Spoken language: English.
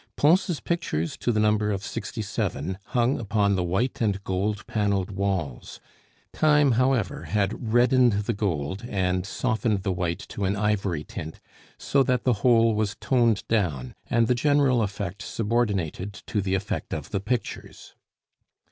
Pons' pictures to the number of sixty seven hung upon the white and gold paneled walls; time, however, had reddened the gold and softened the white to an ivory tint, so that the whole was toned down, and the general effect subordinated to the effect of the pictures.